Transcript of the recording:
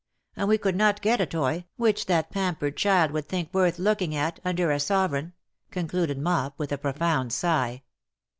And we could not get a toy, which that pampered child 87 would think worth looking at^ under a sovereign/^ concluded Mop, with a profound sigh.